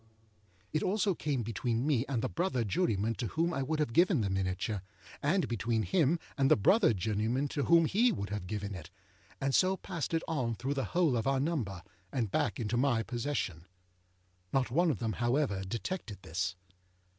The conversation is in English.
â It also came between me and the brother juryman to whom I would have given the miniature, and between him and the brother juryman to whom he would have given it, and so passed it on through the whole of our number, and back into my possession. Not one of them, however, detected this.